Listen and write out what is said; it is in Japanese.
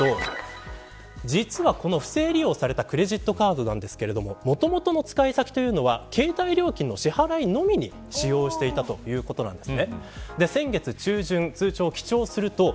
実はこの不正利用されたクレジットカードですがもともとの使い先は携帯料金の支払いのみに使用していたそうです。